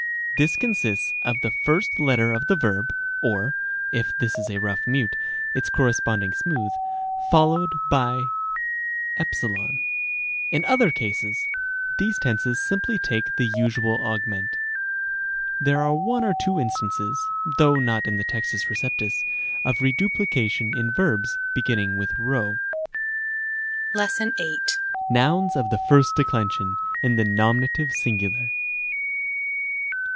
This consists of the first letter of the verb (or, if this is a rough mute, its corresponding smooth) followed by «. In other cases, these tenses simply take the usual augment. There are one or two instances, though not in the T. R., of reduplication in verbs beginning with p. §8. Nouns of the first declension, in the nominative sin gular.